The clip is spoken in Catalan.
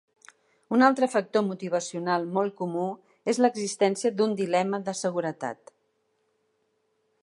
Un altre factor motivacional molt comú és l"existència d"un dilema de seguretat.